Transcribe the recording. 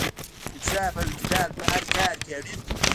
انصاف او اعتدال په هر کار کې اړین دی.